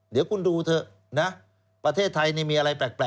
เดี๋ยวคุณดูเถอะนะประเทศไทยนี่มีอะไรแปลก